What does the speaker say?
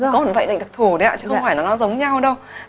có một bệnh định thật thù đấy ạ chứ không phải nó giống nhau đâu